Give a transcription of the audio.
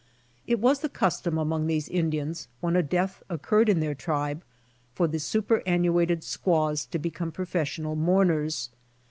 It was the custom among these Indians, when a death occurred in their tribe, for the superannuated squaws to become professional mourners.